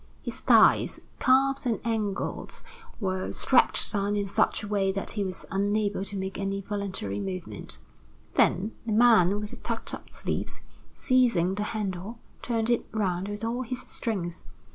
His thighs, calves, and ankles were strapped down in such a way that he was unable to make any voluntary movement; then, the man with the tucked up sleeves, seizing the handle, turned it round with all his strength.